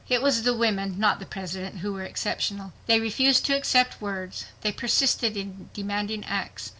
It was the women, not the President, who were exceptional. They refused to accept words. They persisted in demanding acts.